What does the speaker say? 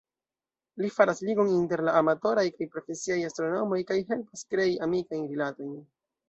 Li faras ligon inter la amatoraj kaj profesiaj astronomoj kaj helpas krei amikajn rilatojn.